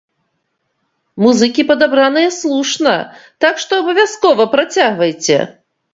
Музыкі падабраныя слушна, так што абавязкова працягвайце!